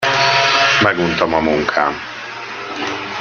Meguntam a munkám.